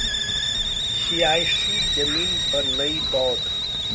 सियासी जमीन पर नई पौध